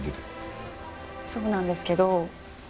そうなんですけど。